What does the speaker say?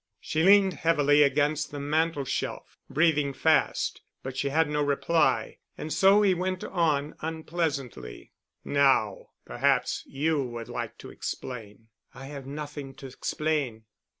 She leaned heavily against the mantel shelf, breathing fast. But she had no reply, and so he went on unpleasantly. "Now, perhaps you would like to explain." "I have nothing to explain."